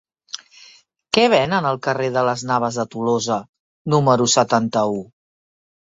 Què venen al carrer de Las Navas de Tolosa número setanta-u?